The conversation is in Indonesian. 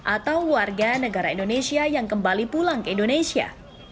atau warga negara indonesia yang kembali pulang ke indonesia